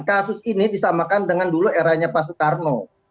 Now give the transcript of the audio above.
kasus ini disamakan dengan dulu eranya pak soekarno